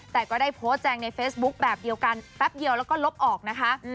แต่ก็ได้โพสต์แจงในเฟซบุ๊คแบบเดียวกันแป๊บเดียวแล้วก็ลบออกนะคะ